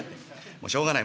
もうしょうがない。